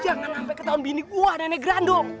jangan sampai ke tahun bini kuah nenek grandong